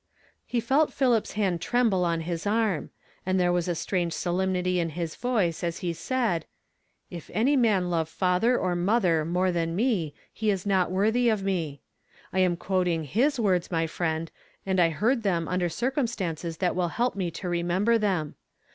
He felt Philip's hand tremble on his arm; and there was a strange solemnity in his voice as he said, "'If any man love father or mother more than me he is not worthy of me.' I am quoting his words, my friend, and I heard them under cir cumstances that will help me to remember them.